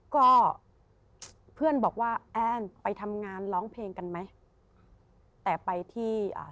ก็เพื่อนบอกว่าแอนไปทำงานร้องเพลงกันไหมแต่ไปที่อ่า